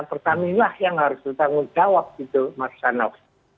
pertamina yang harus bertanggung jawab